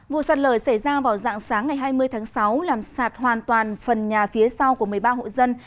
vụ sạt lở xảy ra vào dạng sáng ngày hai mươi tháng sáu làm sạt hoàn toàn phần nhà phía sau của một mươi ba hộ dân